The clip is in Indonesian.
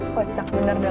kocak bener dah lo